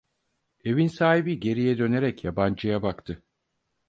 Evin sahibi geriye dönerek yabancıya baktı.